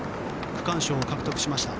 区間賞を獲得しました。